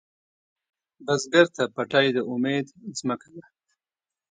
بزګر ته پټی د امید ځمکه ده